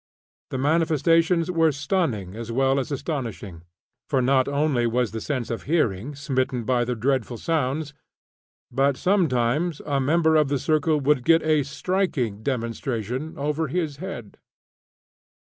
The manifestations were stunning as well as astonishing; for not only was the sense of hearing smitten by the dreadful sounds, but, sometimes, a member of the circle would get a "striking demonstration" over his head!